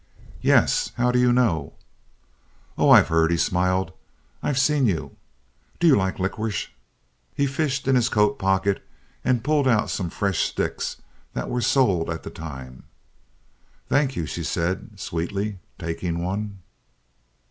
"Yes. How do you know?" "Oh, I've heard," he smiled. "I've seen you. Do you like licorice?" He fished in his coat and pulled out some fresh sticks that were sold at the time. "Thank you," she said, sweetly, taking one.